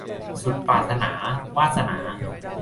สุดปรารถนา - วาสนา